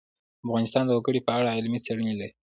افغانستان د وګړي په اړه علمي څېړنې لري.